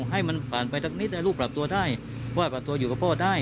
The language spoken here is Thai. ให้มันผ่านไปสักนิดลูกปรับตัวได้ว่าปรับตัวอยู่กับพ่อได้